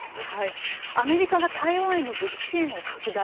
アメリカが台湾への武器支援を拡大